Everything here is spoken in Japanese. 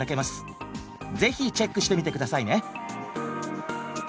ぜひチェックしてみて下さいね。